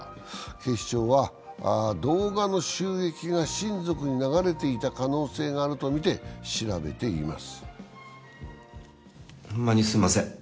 警視庁は動画の収益が親族に流れていた可能性があるとみて調べています。